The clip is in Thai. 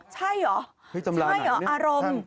ใช่หรืออารมณ์